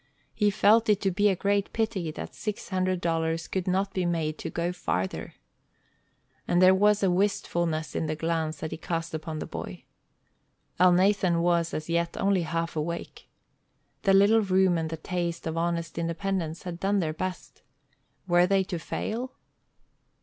He felt it to be a great pity that six hundred dollars could not be made to go farther. And there was a wistfulness in the glance he cast upon the boy. Elnathan was, as yet, only half awake. The little room and the taste of honest independence had done their best. Were they to fail?